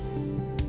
empat bersihkan jatah